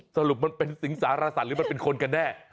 สรุปมันเป็นสิงสารสัตว์หรือมันเป็นคนกันแน่